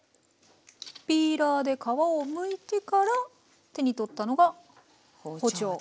ピーラーで皮をむいてから手に取ったのが包丁で。